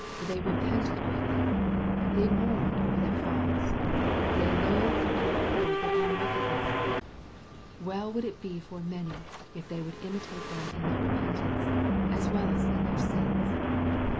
They repented greatly. They mourned over their falls. They loathed and abhorred their own wickedness. Well would it be for many, if they would imitate them in their repentance, as well as in their sins.